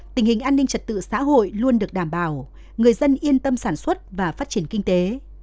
tình hình an ninh trật tự xã hội luôn được đảm bảo người dân yên tâm sản xuất và phát triển kinh tế